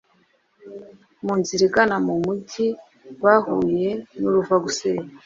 mu nzira igana mu mujyi bahuye n’uruva gusenya